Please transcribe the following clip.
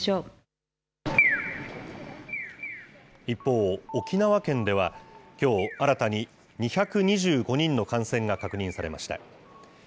一方、沖縄県ではきょう、新たに２２５人の感染が確認されました。